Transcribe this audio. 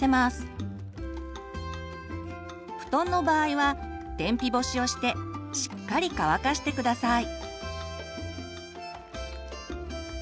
布団の場合は天日干しをしてしっかり乾かして下さい。